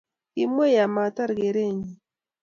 Kimwei ama tar keret nyi.